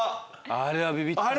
あれはビビったな。